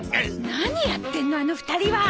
何やってんのあの２人は！